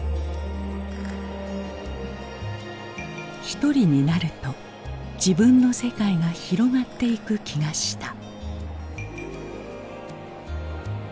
一人になると自分の世界が広がっていく気がした。